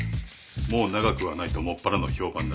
もう長くはないともっぱらの評判だ。